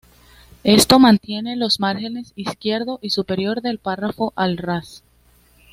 Esto mantiene los márgenes izquierdo y superior del párrafo al ras.